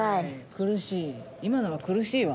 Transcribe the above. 苦しい今のは苦しいわ。